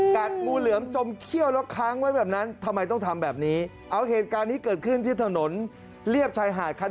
กัดงูเหลือมจมเขี้ยวแล้วค้างไว้แบบนั้นทำไมต้องทำแบบนี้เอาเหตุการณ์นี้เกิดขึ้นที่ถนนเรียบชายหาดคัน